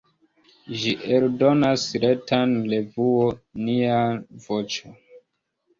Ĝi eldonas retan revuon "Nia Voĉo".